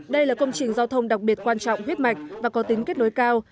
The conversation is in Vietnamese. đây là công trình giao thông đặc biệt quan trọng huyết mạch và có tính kết nối cao